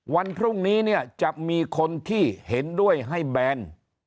วันพรุ่งนี้เนี่ยจะมีคนที่เห็นด้วยให้แบน